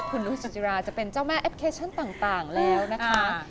คุณนุษยสุจิราจะเป็นเจ้าแม่แอปพลิเคชันต่างแล้วนะคะ